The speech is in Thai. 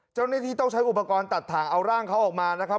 เจ้าหน้าที่ต้องใช้อุปกรณ์ตัดถ่างเอาร่างเขาออกมานะครับ